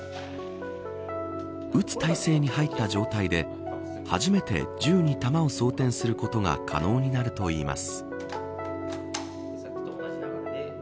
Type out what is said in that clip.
撃つ体制に入った状態で初めて銃に弾を装てんすることが可能になるといいます。